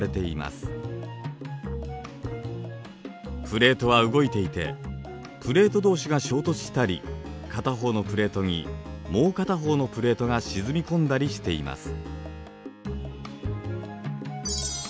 プレートは動いていてプレート同士が衝突したり片方のプレートにもう片方のプレートが沈み込んだりしています。